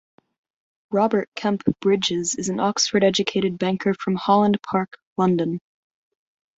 Robert Kempe Brydges is an Oxford-educated banker from Holland Park, London.